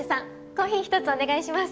コーヒー１つお願いします。